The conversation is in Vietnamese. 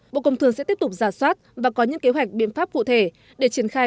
bộ công thương sẽ tiếp tục giả soát và có những kế hoạch biện pháp cụ thể để triển khai